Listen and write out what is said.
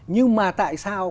nhưng mà tại sao